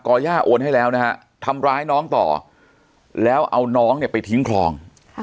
อย่าโอนให้แล้วนะฮะทำร้ายน้องต่อแล้วเอาน้องเนี่ยไปทิ้งคลอง